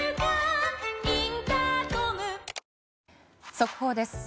速報です。